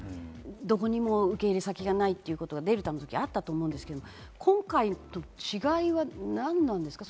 どこにも受け入れ先がないということがデルタの時もあったと思うんですけど、今回と違いは何なんですか？